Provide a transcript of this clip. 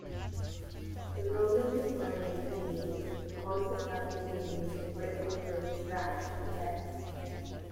The Roman historian Pliny records this method being used in Britain to extract lead.